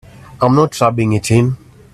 I'm not rubbing it in.